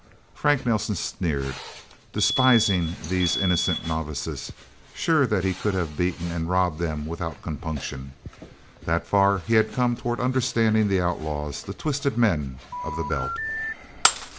Frank Nelsen sneered, despising these innocent novices, sure that he could have beaten and robbed them without compunction. That far he had come toward understanding the outlaws, the twisted men of the Belt.